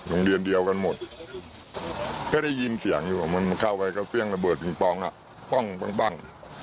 โรงเรียนเดียวกันหมดก็ได้ยินเสียงอยู่มันเข้าไปก็เฟียงระเบิดปิงปองอ่ะปั้ง